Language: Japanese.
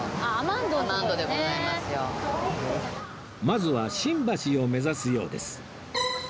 まずは新橋を目指すようです